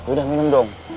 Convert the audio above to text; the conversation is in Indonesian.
udah minum dong